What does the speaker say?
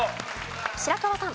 白河さん。